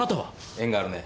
縁があるね。